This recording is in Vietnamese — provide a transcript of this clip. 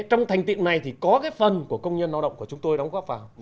trong thành tiệu này thì có cái phần của công nhân lao động của chúng tôi đóng góp vào